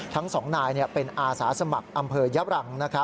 ทั้งสองนายเป็นอาสาสมัครอำเภยับรัง